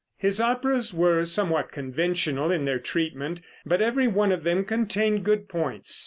His operas were somewhat conventional in their treatment, but every one of them contained good points.